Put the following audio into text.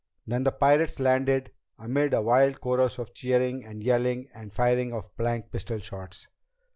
Then the pirates landed, amid a wild chorus of cheering and yelling and firing of blank pistol shots.